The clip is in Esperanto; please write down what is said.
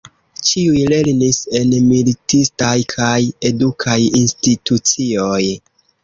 Ĉiuj lernis en militistaj kaj edukaj institucioj.